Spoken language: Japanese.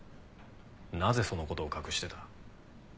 なぜその事を隠してた？